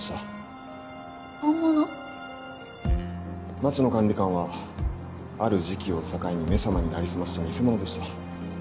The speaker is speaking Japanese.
町野管理官はある時期を境に「め様」に成り済ました偽者でした。